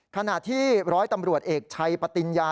ขณะที่ร้อยตำรวจเอกชัยปติญญา